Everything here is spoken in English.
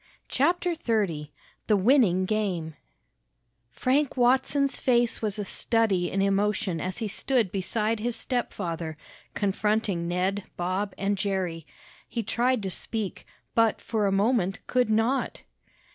CHAPTER XXX THE WINNING GAME Frank Watson's face was a study in emotions as he stood beside his stepfather, confronting Ned, Bob and Jerry. He tried to speak, but, for a moment, could not.